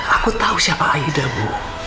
aku tahu siapa aida ibu